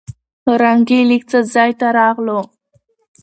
رنګ يې لېږ څه ځاى ته راغلو.